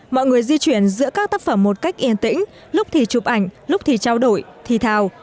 mọi người di chuyển giữa các tác phẩm một cách yên tĩnh lúc thì chụp ảnh lúc thì trao đổi thi thào